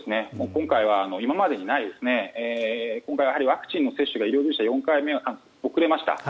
今回は今までにない今回はやはりワクチンの接種が医療従事者４回目が遅れました。